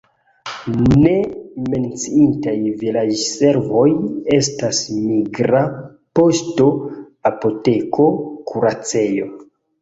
Ne menciitaj vilaĝservoj estas migra poŝto, apoteko, kuracejo.